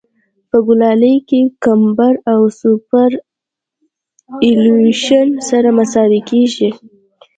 په ګولایي کې کمبر او سوپرایلیویشن سره مساوي کیږي